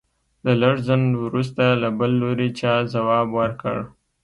د لږ ځنډ وروسته له بل لوري چا ځواب ورکړ.